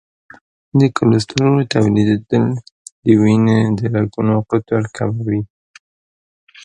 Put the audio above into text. د کلسترول تولیدېدل د وینې د رګونو قطر کموي.